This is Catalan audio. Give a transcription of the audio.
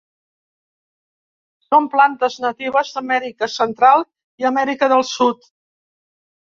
Són plantes natives d'Amèrica Central i Amèrica del Sud.